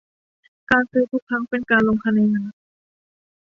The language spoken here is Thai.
การซื้อทุกครั้งเป็นการลงคะแนน